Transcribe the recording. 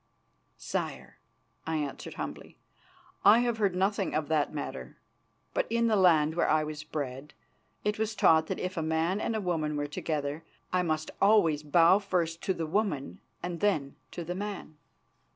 "Sire," I answered humbly, "I have heard nothing of that matter, but in the land where I was bred I was taught that if a man and a woman were together I must always bow first to the woman and then to the man."